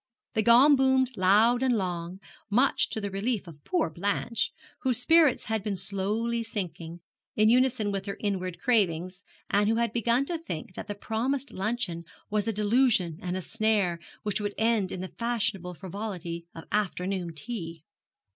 The gong boomed loud and long, much to the relief of poor Blanche, whose spirits had been slowly sinking, in unison with her inward cravings, and who had begun to think that the promised luncheon was a delusion and a snare, which would end in the fashionable frivolity of afternoon tea.